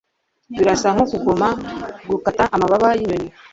Birasa nkubugome gukata amababa yinyoni